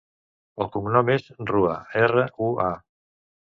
El cognom és Rua: erra, u, a.